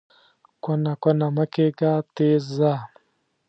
کونه کونه مه کېږه، تېز ځه!